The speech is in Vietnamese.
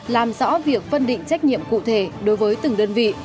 làm rõ việc phân định trách nhiệm cụ thể đối với từng đơn vị